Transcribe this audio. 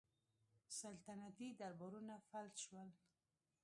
سلطنتي دربارونه فلج شول